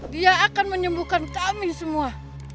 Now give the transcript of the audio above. dia akan menyembuhkan kami semua